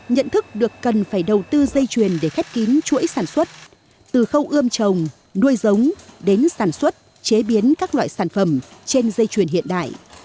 nhận thức được cần phải đầu tư dây chuyền để khép kín chuỗi sản xuất từ khâu ươm trồng nuôi giống đến sản xuất chế biến các loại sản phẩm trên dây chuyền hiện đại